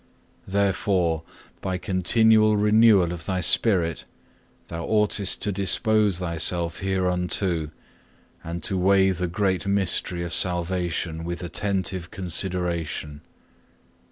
Therefore, by continual renewal of thy spirit, thou oughtest to dispose thyself hereunto and to weigh the great mystery of salvation with attentive consideration.